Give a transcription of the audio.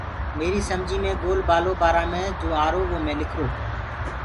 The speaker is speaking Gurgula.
ميريٚ سمجيٚ مي گول بآلو بآرآ مي جو آرو وو مي لِکرو